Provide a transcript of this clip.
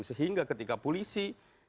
sehingga ketika polisi